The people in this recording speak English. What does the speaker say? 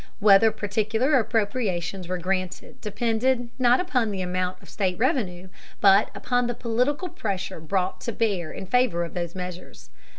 Whether particular appropriations were granted depended, not upon the amount of state revenue, but upon the political pressure brought to bear in favor of those measures.